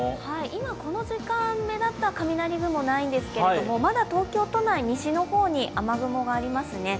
今、この時間、目立った雷雲ないんですが、まだ東京都内、西の方に雨雲がありますね。